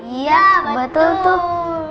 iya betul tuh